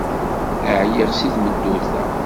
Ɛyiɣ seg tmeddurt-a.